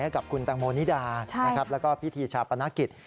ให้กับคุณตังโมนิดาใช่แล้วก็พิธีชาปนักกิจ